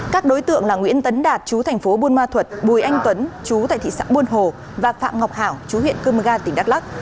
các đối tượng là nguyễn tấn đạt chú thành phố buôn ma thuật bùi anh tuấn chú tại thị xã buôn hồ và phạm ngọc hảo chú huyện cơ mơ ga tỉnh đắk lắc